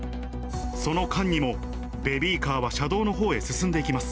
その間にも、ベビーカーは車道のほうに進んでいきます。